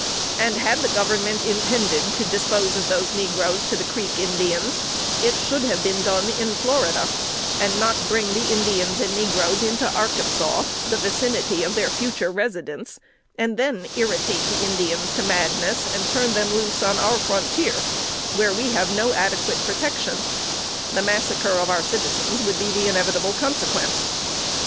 And had the Government intended to dispose of those negroes to the Creek Indians, it should have been done in Florida, and not bring Indians and negroes into Arkansas, the vicinity of their future residence, and then irritate the Indians to madness, and turn them loose on our frontier, where we have no adequate protection the massacre of our citizens would be the inevitable consequence.